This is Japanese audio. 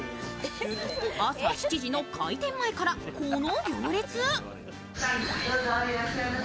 朝７時の開店前からこの行列。